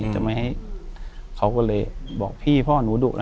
จะไม่ให้เขาก็เลยบอกพี่พ่อหนูดุ